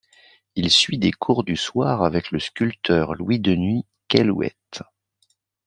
Il suit des cours du soir avec le sculpteur Louis Denis Caillouette.